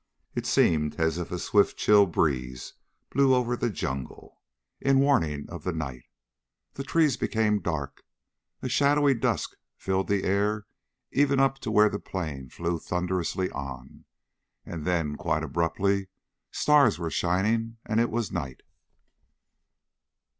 It seemed as if a swift chill breeze blew over the jungle, in warning of the night. The trees became dark. A shadowy dusk filled the air even up to where the plane flew thunderously on. And then, quite abruptly, stars were shining and it was night.